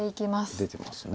出てますね。